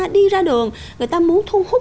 đi ra đường người ta muốn thu hút